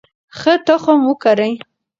ښه تخم وکرئ.